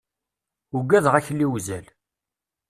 Ugadeɣ akli uzal.